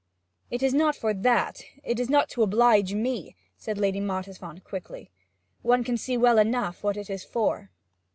'It is not for that; it is not to oblige me,' said Lady Mottisfont quickly. 'One can see well enough what it is for!'